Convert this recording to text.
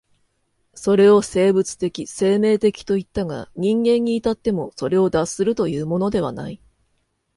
それを生物的生命的といったが、人間に至ってもそれを脱するというのではない。